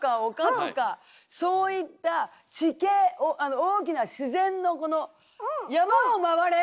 そういった地形をあの大きな自然のこの山を回れ！